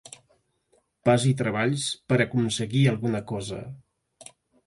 Passi treballs per a aconseguir alguna cosa.